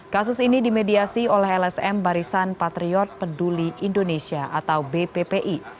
kasus ini dimediasi oleh lsm barisan patriot peduli indonesia atau bppi